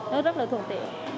nó rất là thuận tiện